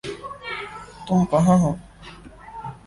تم کہاں ہو؟